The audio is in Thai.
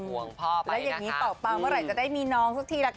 ห่วงพ่อไปนะครับแล้วอย่างนี้ต่อเปล่าเวลาจะได้มีน้องสุดทีละค่ะ